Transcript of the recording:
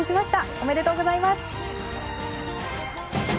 おめでとうございます。